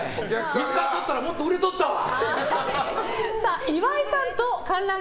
見つかっとったらもっと売れとったわ！